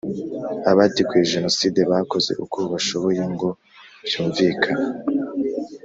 abateguye jenoside, bakoze uko bashoboye ngo byumvikana